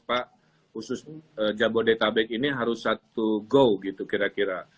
pak khusus jabodetabek ini harus satu go gitu kira kira